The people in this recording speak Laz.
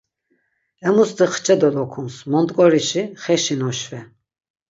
Emusti xçe dolokuns, mont̆ǩorişi, xeşi noşve...